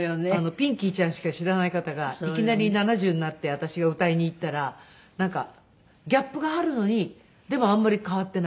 ピンキーちゃんしか知らない方がいきなり７０になって私が歌いに行ったらなんかギャップがあるのにでもあんまり変わっていない。